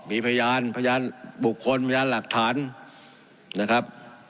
มีพยานพยานบุคคลพยานหลักฐานนะครับ